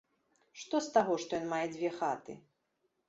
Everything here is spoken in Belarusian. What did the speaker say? Што з таго, што ён мае дзве хаты!